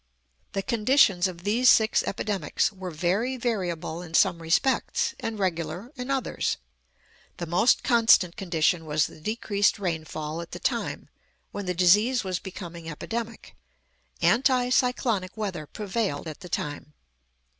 The conditions of these six epidemics were very variable in some respects, and regular in others. The most constant condition was the decreased rainfall at the time, when the disease was becoming epidemic. Anti cyclonic weather prevailed at the time.